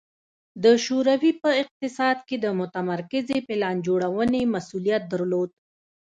د شوروي په اقتصاد کې د متمرکزې پلان جوړونې مسوولیت درلود